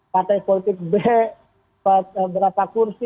partai politik b berapa kursi